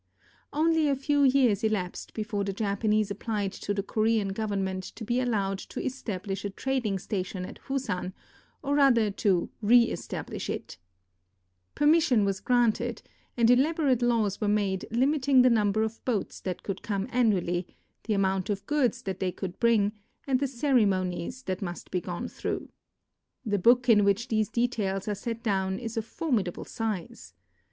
Only a few years elapsed before the Japanese applied to the Korean Government to be allowed to establish a trading station at Fusan, or rather to reestablish it. 274 WHEN HIDEYOSHI INVADED KOREA Permission was granted, and elaborate laws were made limiting the number of boats that could come annually, the amount of goods they could bring, and the cere monies that must be gone through. The book in which these details are set down is of formidable size.